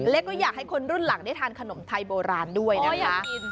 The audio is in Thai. แล้วก็อยากให้คนรุ่นหลังได้ทานขนมไทยโบราณด้วยนะคะ